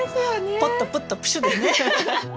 ポッとプッとプシュッですね。